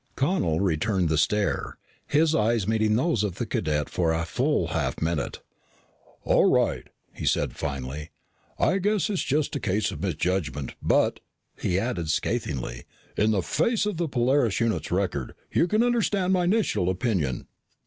Connel returned the stare, his eyes meeting those of the cadet for a full half minute. "All right," he said finally. "I guess it's just a case of misjudgment. But," he added scathingly, "in the face of the Polaris unit's record, you can understand my initial opinion."